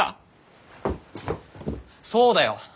そうだよ！